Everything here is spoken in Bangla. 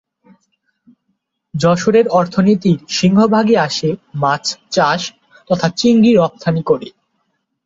যশোরের অর্থনীতির সিংহভাগই আসে মাছ চাষ তথা চিংড়ি রফতানি করে।